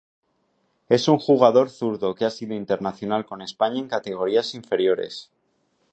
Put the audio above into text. Es un jugador zurdo que ha sido internacional con España en categorías inferiores.